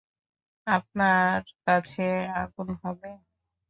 আপনার কাছে আগুন হবে?